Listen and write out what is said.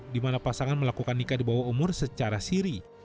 di mana pasangan melakukan nikah di bawah umur secara siri